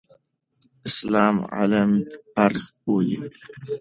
اسلام علم فرض بولي.